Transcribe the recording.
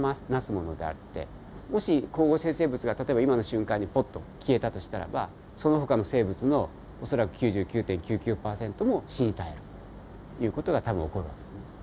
もし光合成生物が今の瞬間にぽっと消えたとしたらばそのほかの生物の恐らく９９．９９％も死に絶えるという事が多分起こる訳ですね。